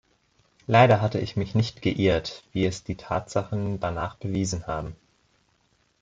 Leider hatte ich mich nicht geirrt, wie es die Tatsachen danach bewiesen haben.